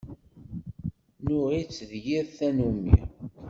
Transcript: Nuɣ-itt d yir tannumi.